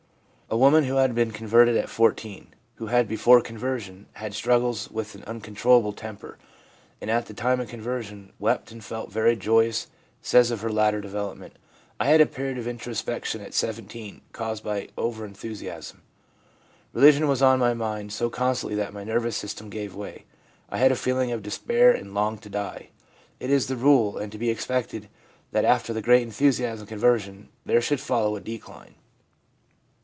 A woman who had been converted at 14, who had before conversion had struggles with an ' uncon trollable temper/ and at the time of conversion wept and felt very joyous, says of her later development :' I had a period of introspection at 17 caused by over enthusiasm. Religion was on my mind so constantly that my nervous system gave way. I had a feeling of despair, and longed to die.' It is the rule, and to be expected that after the great enthusiasm of conversion there should follow a decline.